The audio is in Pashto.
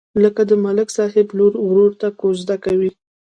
لکه د ملک صاحب لور ورور ته کوزده کوي.